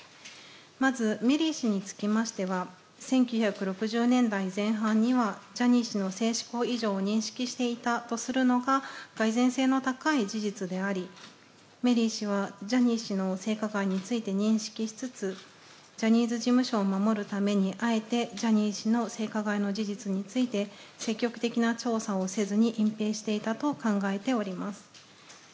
まずメリー氏につきましては、１９６０年代前半にはジャニー氏の性しこう異常を認識していたとするのが、がい然性の高い事実であり、メリー氏はジャニー氏の性加害について認識しつつ、ジャニーズ事務所を守るために、あえてジャニー氏の性加害の事実について積極的な調査をせずに隠ぺいしていたと考えております。